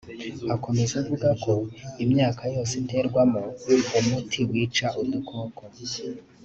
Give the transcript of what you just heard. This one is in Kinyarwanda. Akomeza avuga ko imyaka yose iterwamo umuti wica udukuko